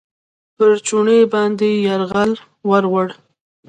پر چوڼۍ باندې یرغل ورووړ.